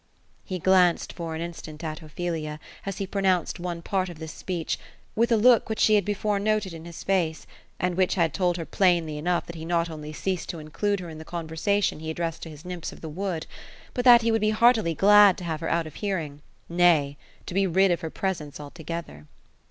He glanced for an instant at Ophelia, as he pronounced one part of this speech, with a look, which she had before noted in his face ; and which had told her plainly enough that he not only ceased to include her in the conversation he addressed to his nymphs of the wood, hut that he would be heartily glad to have her out of hearing, nay, to be rid of her presence altogether.